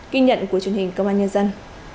kinh nhận của truyền hình công an nhân dân